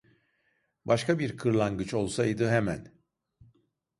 Başka bir kırlangıç olsaydı hemen: